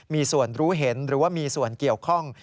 มีส่วนรู้เห็นหรือว่ามีส่วนเกี่ยวข้อง